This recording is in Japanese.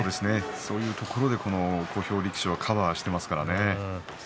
そういうところで小兵力士はカバーしていますからね。